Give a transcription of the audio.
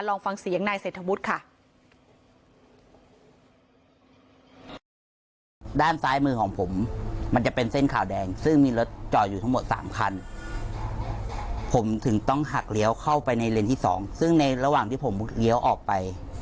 ลองฟังเสียงนายเศรษฐวุฒิค่ะ